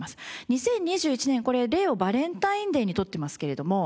２０２１年これ例をバレンタインデーに取ってますけれども。